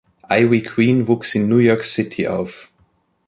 Ivy Queen wuchs in New York City auf.